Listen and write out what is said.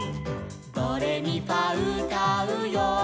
「ドレミファうたうよ」